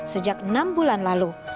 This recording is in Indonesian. sejak enam bulan lalu